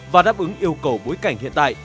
và đáp ứng yêu cầu bối cảnh hiện tại